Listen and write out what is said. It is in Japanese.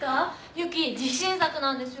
ユキ自信作なんですよ。